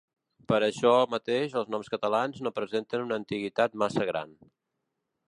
Per això mateix els noms catalans no presenten una antiguitat massa gran.